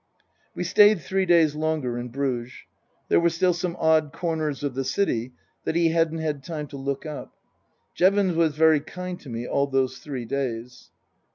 We stayed three days longer in Bruges. There were still some odd corners of the city that he hadn't had time to look up. Jevons was very kind to me all those three days.